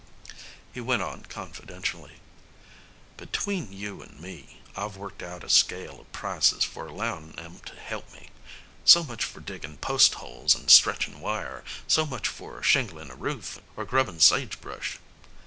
He went on confidentially: "Between you and me, I've worked out a scale of prices for allowin' 'em to help me so much for diggin' post holes and stretchin' wire, so much for shinglin' a roof or grubbin' sagebrush.